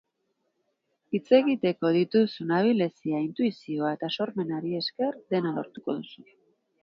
Hitz egiteko dituzun abilezia, intuizioa eta sormenari esker, dena lortuko duzu.